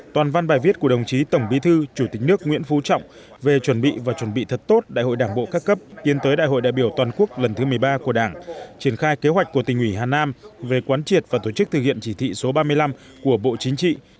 toàn văn bài viết của đồng chí tổng bí thư chủ tịch nước nguyễn phú trọng về chuẩn bị và chuẩn bị thật tốt đại hội đảng bộ các cấp tiến tới đại hội đại biểu toàn quốc lần thứ một mươi ba của đảng triển khai kế hoạch của tỉnh ủy hà nam về quán triệt và tổ chức thực hiện chỉ thị số ba mươi năm của bộ chính trị